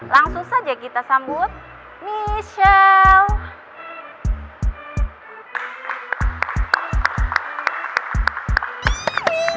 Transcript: langsung saja kita sambut michel